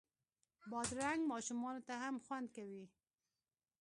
بادرنګ ماشومانو ته هم خوند کوي.